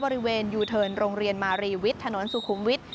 บริเวณยูเทิร์นโรงเรียนมารีวิทย์ถนนสุขุมวิทย